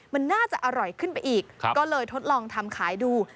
มันน่าจะอร่อยขึ้นไปอีกก็เลยทดลองทำขายดู